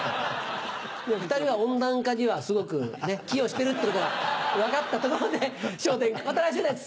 ２人は温暖化にはすごく寄与してるってことが分かったところで『笑点』また来週です！